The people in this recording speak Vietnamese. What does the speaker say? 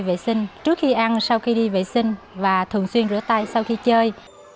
vệ sinh trước khi ăn sau khi đi vệ sinh và thường xuyên rửa tay sau khi chơi